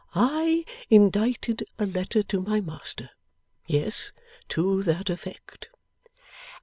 'I indited a letter to my master. Yes. To that effect.